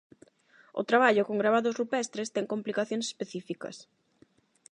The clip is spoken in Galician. O traballo con gravados rupestres ten complicacións específicas.